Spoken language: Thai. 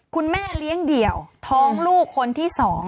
คุณแม่เลี้ยงเดี่ยวท้องลูกคนที่๒